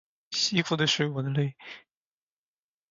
西湖的水我的泪